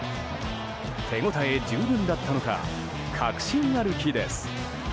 手応え十分だったのか確信歩きです。